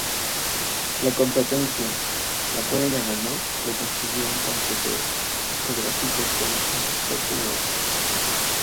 La competencia, la cual ella ganó, le consiguió un contrato discográfico con Interscope Records.